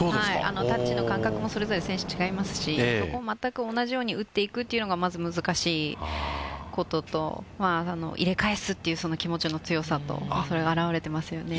タッチの感覚もそれぞれ選手違いますし、全く同じように打っていくっていうのがまず難しいことと、入れ返すっていうその気持ちの強さと、それが表れてますよね。